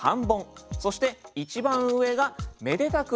そして一番上がめでたく